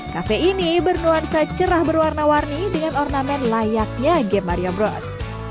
kafe ini bernuansa cerah berwarna warni dengan ornamen layaknya game mario bros